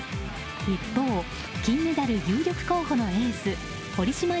一方、金メダル有力候補のエース堀島